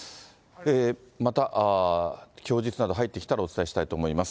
また供述など入ってきたら、お伝えしたいと思います。